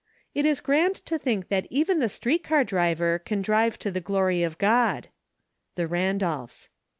It is grand to think that even the street car driver can drive for the glory of God. The Randolphs.